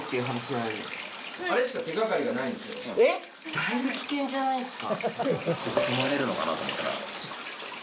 だいぶ危険じゃないですか。